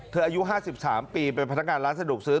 เธออายุห้าสิบสามปีเป็นพนักงานร้านสะดวกซื้อ